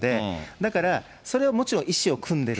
だから、それはもちろん意思を酌んでる。